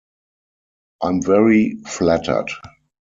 I'm very flattered.